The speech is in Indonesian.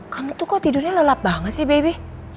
kamu tuh kok tidurnya lelap banget sih baby